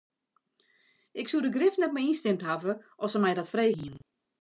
Ik soe der grif net mei ynstimd hawwe as se my dat frege hiene.